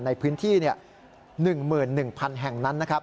ในพื้นที่๑๑๐๐๐แห่งนั้น